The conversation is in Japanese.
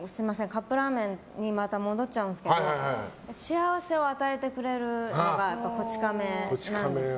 カップラーメンにまた戻っちゃうんですけど幸せを与えてくれるのが「こち亀」なんです。